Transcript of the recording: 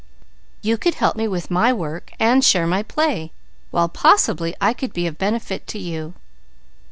"You could help me with my work and share my play, while possibly I could be of benefit to you."